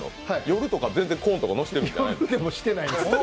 夜とか、全然コーンとかのせてるんじゃないの？